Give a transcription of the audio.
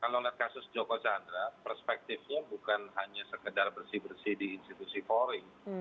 kalau lihat kasus joko chandra perspektifnya bukan hanya sekedar bersih bersih di institusi polri